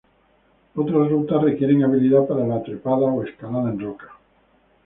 Otras rutas requieren habilidad para la trepada o escalada en roca.